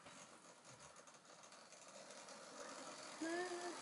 Jako členka britského reprezentačního družstva získala stříbrnou olympijskou medaili.